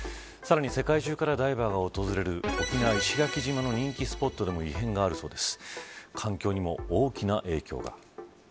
さらに世界中からダイバーが訪れる沖縄、石垣島の人気スポットでも異変があるそうです。